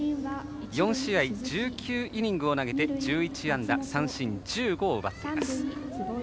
４試合１９イニングを投げて１１安打三振１５を奪っています。